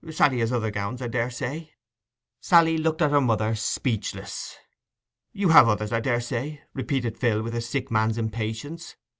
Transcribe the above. Sally has other gowns, I daresay.' Sally looked at her mother, speechless. 'You have others, I daresay!' repeated Phil, with a sick man's impatience.